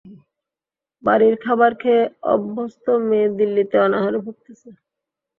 বাড়ির খাবার খেয়ে অবস্ত মেয়ে, দিল্লিতে অনাহারে ভুগতেছে।